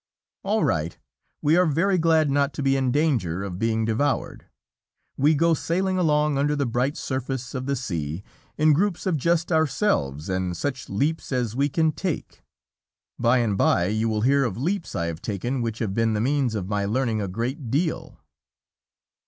All right! We are very glad not to be in danger of being devoured. We go sailing along under the bright surface of the sea, in groups of just ourselves, and such leaps as we can take! By and by, you will hear of leaps I have taken which have been the means of my learning a great deal.